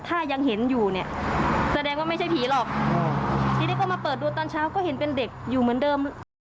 ถ้ายังเห็นอยู่เนี่ยแสดงว่าไม่ใช่ผีหรอกทีนี้ก็มาเปิดดูตอนเช้าก็เห็นเป็นเด็กอยู่เหมือนเดิม